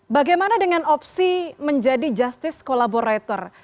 bagaimana dengan opsi menjadi justice collaborator